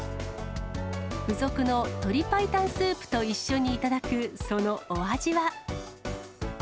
付属の鶏白湯スープと一緒に頂く、そのお味は。